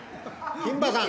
金馬さん。